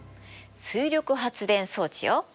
水力発電装置よ。